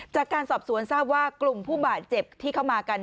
จากการสอบสวนทราบว่ากลุ่มผู้บาดเจ็บที่เข้ามากัน